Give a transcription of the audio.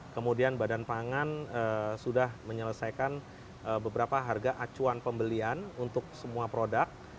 kemudian badan pangan sudah menyelesaikan beberapa harga acuan pembelian untuk semua produk